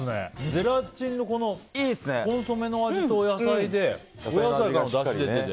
ゼラチンのコンソメの味と野菜で、お野菜からだし出てて。